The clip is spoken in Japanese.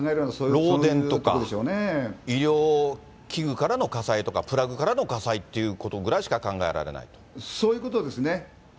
漏電とか、医療器具からの火災とかプラグからの火災っていうことぐらいしかそういうことですね。